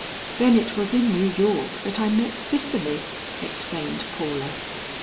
"Then it was in New York that I met Cicely," exclaimed Paula.